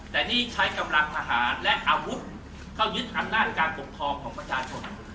แต่นี่ใช้กำลังทหารและอาวุธเข้ายึดอำนาจการปกครองของประชาชน